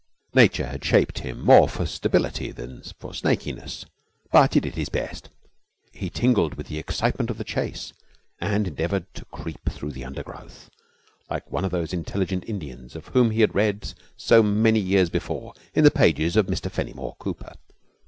Nature had shaped him more for stability than for snakiness, but he did his best. He tingled with the excitement of the chase, and endeavoured to creep through the undergrowth like one of those intelligent Indians of whom he had read so many years before in the pages of Mr Fenimore Cooper.